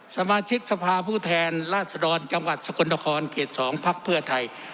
สมาชิกสภาผู้แทนราชดรจังหวัดสกรณคลเกียรติ๒ภักดิ์เพื่อไทย